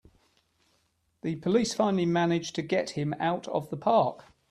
The police finally manage to get him out of the park!